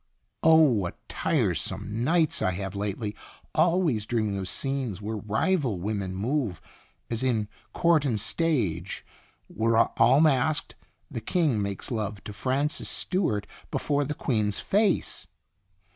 Oh, what tiresome nights I have lately, always dreaming of scenes where rival women move, as in ' Court and Stage/ where, all masked, the king makes love to Frances Stewart before the queen's face